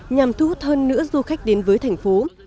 nhằm thu hút hơn nữa du khách đến với thành phố